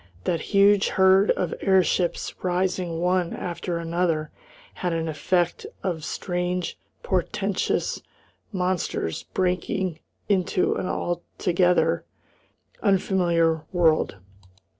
That huge herd of airships rising one after another had an effect of strange, portentous monsters breaking into an altogether unfamiliar world.